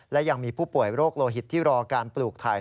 และยังมีผู้ป่วยโรคโลหิตที่รอการปลูกไทย